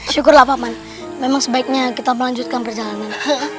syukurlah paman memang sebaiknya kita melanjutkan perjalanan